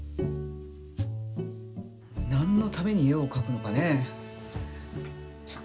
なんのためにえをかくのかね。